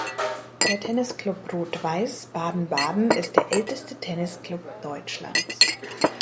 Der Tennisclub „Rot-Weiss“ Baden-Baden ist der älteste Tennisclub Deutschlands.